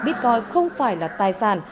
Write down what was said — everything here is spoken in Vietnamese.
bitcoin không phải là tài sản